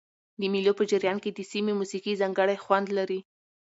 د مېلو په جریان کښي د سیمي موسیقي ځانګړی خوند لري.